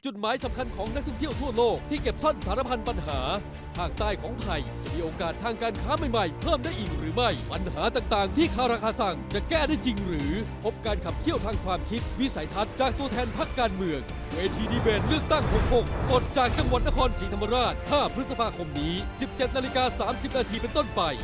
ตัวแทนพักการเมืองเวทีดีเบนเลือกตั้ง๖๖ปลดจากจังหวัดนครศรีธรรมราช๕พฤษภาคมนี้๑๗นาฬิกา๓๐นาทีเป็นต้นไป